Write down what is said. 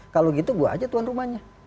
kalau begitu saya saja tuan rumahnya